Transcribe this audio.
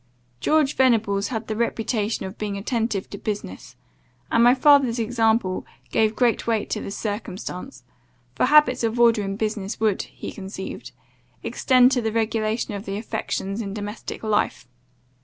George Venables had the reputation of being attentive to business, and my father's example gave great weight to this circumstance; for habits of order in business would, he conceived, extend to the regulation of the affections in domestic life.